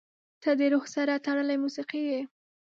• ته د روح سره تړلې موسیقي یې.